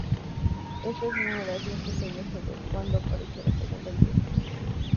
Ésta es una de las muchas teorías sobre cuándo apareció la segunda grieta.